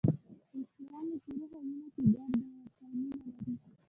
اسلام یې په روح او وینه کې ګډ دی او ورسره مینه لري.